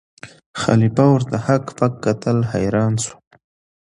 خلیفه ورته هک پک کتل حیران سو